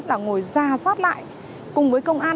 là ngồi ra soát lại cùng với công an